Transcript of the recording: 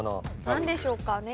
何でしょうかね？